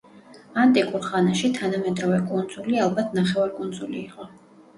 ანტიკურ ხანაში თანამედროვე კუნძული ალბათ ნახევარკუნძული იყო.